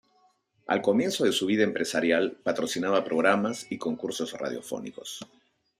Al comienzo de su vida empresarial patrocinaba programas y concursos radiofónicos.